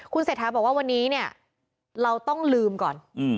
คุณเศรษฐาบอกว่าวันนี้เราต้องลืมก่อน